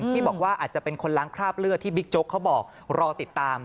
ที่บอกว่าอาจจะเป็นคนล้างคราบเลือดที่บิ๊กโจ๊กเขาบอกรอติดตาม